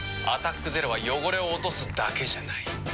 「アタックＺＥＲＯ」は汚れを落とすだけじゃない。